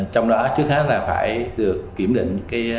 trong đó trước hết là phải được kiểm định